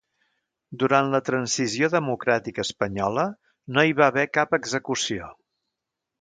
Durant la Transició democràtica espanyola no hi va haver cap execució.